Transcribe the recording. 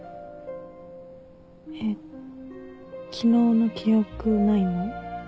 えっ昨日の記憶ないの？